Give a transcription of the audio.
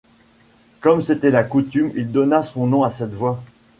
Comme c'était la coutume, il donna son nom à cette voie.